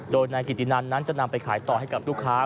โดยนายกิตินันนั้นจะนำไปขายต่อให้กับลูกค้า